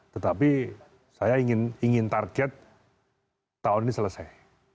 tetapi saya ingin target tahun ini selesai